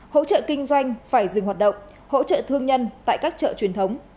hỗ trợ kinh doanh phải dừng hoạt động hỗ trợ thương nhân tại các chợ truyền thống